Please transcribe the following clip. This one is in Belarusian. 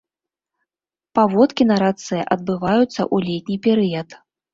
Паводкі на рацэ адбываюцца ў летні перыяд.